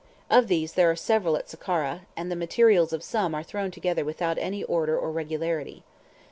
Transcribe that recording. Of these there are several at Sakkara, and the materials of some are thrown together without any order or regularity.